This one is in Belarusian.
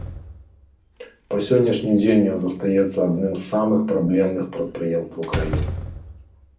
Па сённяшні дзень ён застаецца адным з самых праблемных прадпрыемстваў краіны.